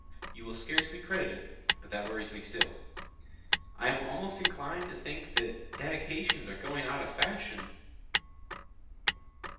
You will scarcely credit it, but that worries me still.... I am almost inclined to think that Dedications are going out of fashion.